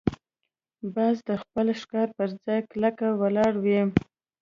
باز د خپل ښکار پر ځای کلکه ولاړ وي